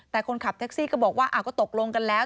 แต่คนขับแท็กซี่ก็บอกว่าก็ตกลงกันแล้ว